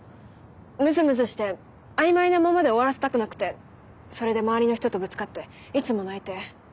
ムズムズして曖昧なままで終わらせたくなくてそれで周りの人とぶつかっていつも泣いて。